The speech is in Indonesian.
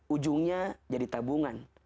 ujungnya jadi tabungan